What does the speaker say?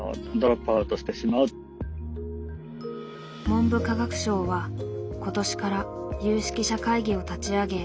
文部科学省は今年から有識者会議を立ち上げ